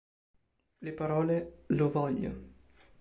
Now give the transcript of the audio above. Le parole "Lo voglio!